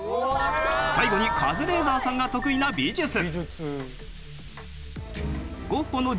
最後にカズレーザーさんが得意な美術。